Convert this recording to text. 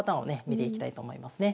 見ていきたいと思いますね。